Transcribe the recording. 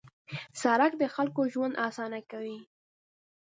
سړک د خلکو ژوند اسانه کوي.